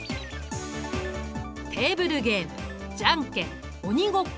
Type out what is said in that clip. テーブルゲームじゃんけん鬼ごっこ